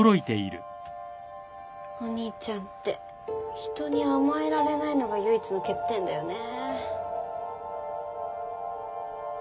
お兄ちゃんって人に甘えられないのが唯一の欠点だよね。